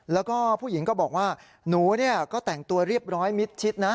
แล้วก็ผู้หญิงก็บอกว่าหนูก็แต่งตัวเรียบร้อยมิดชิดนะ